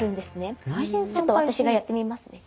ちょっと私がやってみますね。